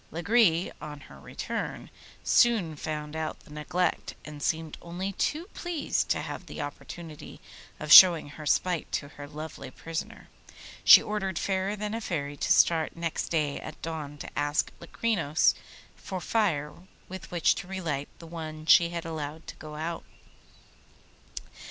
Lagree, on her return, soon found out the neglect, and seemed only too pleased to have the opportunity of showing her spite to her lovely prisoner. She ordered Fairer than a Fairy to start next day at dawn to ask Locrinos for fire with which to relight the one she had allowed to go out.